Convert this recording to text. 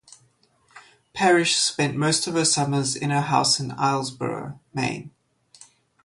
Parish spent most of her summers in her house in Islesboro, Maine.